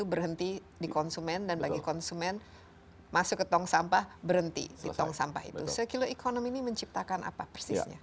berhenti ditong sampah itu sekilok ekonomi ini menciptakan apa persisnya